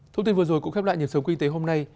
thông tin vừa rồi cũng khép lại nhật sống kinh tế hôm nay